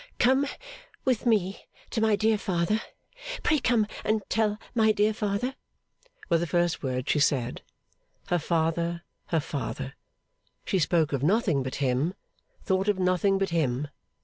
'Come with me to my dear father. Pray come and tell my dear father!' were the first words she said. Her father, her father. She spoke of nothing but him, thought of nothing but him.